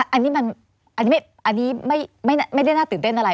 อันนี้ไม่ได้น่าตื่นเต้นอะไร